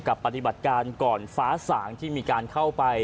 ปฏิบัติการก่อนฟ้าสางที่มีการเข้าไป